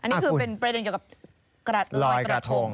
อันนี้คือเป็นประเด็นเกี่ยวกับกระลอยกระทง